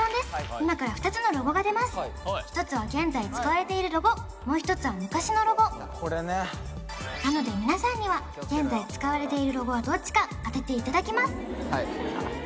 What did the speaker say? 今から２つのロゴが出ます一つは現在使われているロゴもう一つは昔のロゴなので皆さんには現在使われているロゴはどっちか当てていただきます